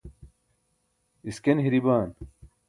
isken hiri baan